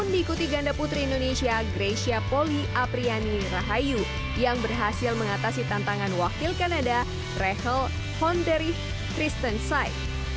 namun diikuti ganda putri indonesia grecia poli apriani rahayu yang berhasil mengatasi tantangan wakil kanada rehel honderif tristan sai